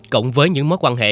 cộng với những mối quan hệ